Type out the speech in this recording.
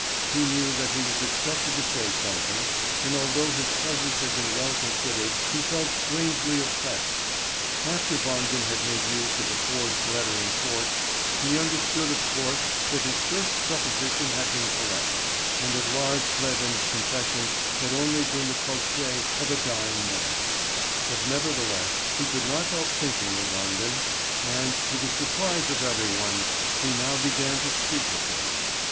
He knew that he was expected to say something, and although his presence had been well considered, he felt strangely oppressed. After Wangen had made use of a forged letter in court, he understood of course that his first supposition had been correct, and that Lars Kleven's confession had only been the crotchet of a dying man; but nevertheless he could not help thinking of Wangen, and to the surprise of every one he now began to speak of him.